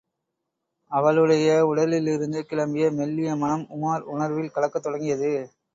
அவளுடைய உடலிலிருந்து கிளம்பிய மெல்லிய மணம் உமார் உணர்வில் கலக்கத் தொடங்கியது.